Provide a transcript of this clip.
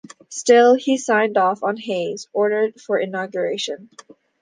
Still, he signed off on Hayes' order for inauguration.